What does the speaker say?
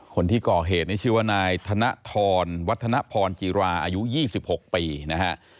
คนที่ก่อเหตุในชีวนายธนทรวัฒนภรกิราอายุ๒๖ปีนะฮะ